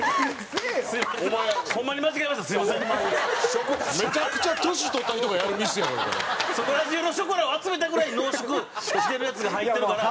そこら中のショコラを集めたぐらい濃縮してるやつが入ってるから。